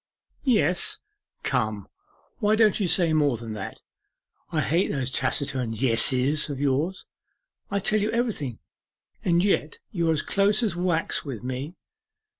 '"Yes." Come, why don't you say more than that? I hate those taciturn "Yesses" of yours. I tell you everything, and yet you are as close as wax with me.